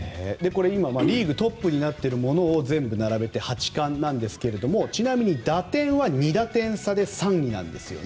リーグトップになっているものを全部並べて８冠なんですがちなみに打点は２打点差で３位なんですよ。